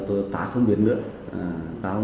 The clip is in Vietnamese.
ta không biết nữa